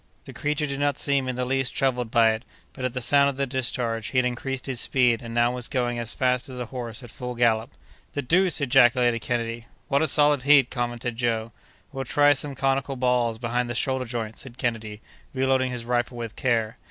The creature did not seem in the least troubled by it; but, at the sound of the discharge, he had increased his speed, and now was going as fast as a horse at full gallop. "The deuce!" ejaculated Kennedy. "What a solid head!" commented Joe. "We'll try some conical balls behind the shoulder joint," said Kennedy, reloading his rifle with care.